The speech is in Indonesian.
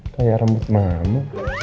kayak rambut mama